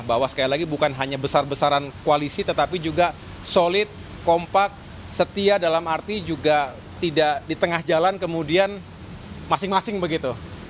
bahwa sekali lagi bukan hanya besar besaran koalisi tetapi juga solid kompak setia dalam arti juga tidak di tengah jalan kemudian masing masing begitu